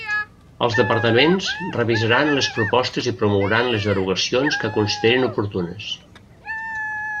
Els departaments revisaran les propostes i promouran les derogacions que considerin oportunes.